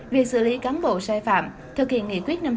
việc xử lý cán bộ sai phạm thực hiện nghị quyết năm mươi